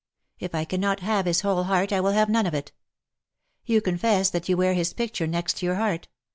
If I cannot have his whole heart I will have none of it. You confess that you wear his picture next your heart.